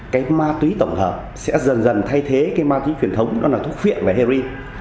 cái ma túy tổng hợp sẽ dần dần thay thế cái ma túy truyền thống đó là thuốc phiện và heroin